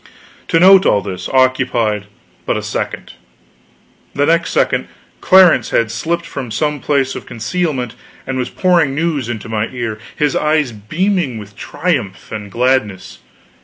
To note all this, occupied but a second. The next second Clarence had slipped from some place of concealment and was pouring news into my ear, his eyes beaming with triumph and gladness.